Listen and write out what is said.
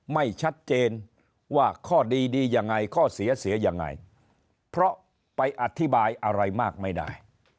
ไม่ชัดเจนว่าข้อดีดียังไงข้อเสียเสียยังไงเพราะไปอธิบายอะไรมากไม่ได้